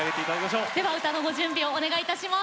では歌のご準備をお願いいたします。